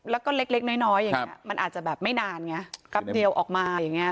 แล้วก็เล็กน้อยอย่างนี้มันอาจจะแบบไม่นานไงแป๊บเดียวออกมาอย่างนี้